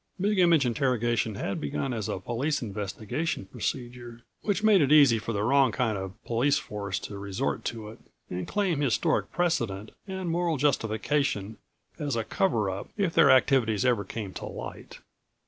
Big Image interrogation had begun as a police investigation procedure, which made it easy for the wrong kind of police force to resort to it and claim historic precedent and moral justification as a cover up if their activities ever came to light.